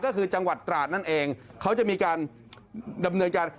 ก็คือจังหวัดตราดนั่นเองเขาจะมีการดำเนินการ